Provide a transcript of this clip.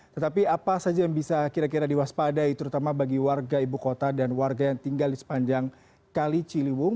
tetapi apa saja yang bisa kira kira diwaspadai terutama bagi warga ibu kota dan warga yang tinggal di sepanjang kali ciliwung